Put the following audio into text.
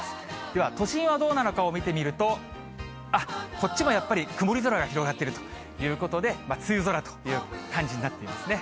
では都心はどうなのかを見てみると、こっちもやっぱり、曇り空が広がっているということで、梅雨空という感じになっていますね。